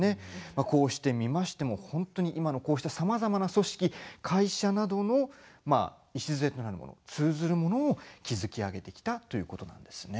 こうして見ますと今のこうしたさまざまな組織、会社などの礎になるものそれに通ずるものを築き上げてきたということなんですね。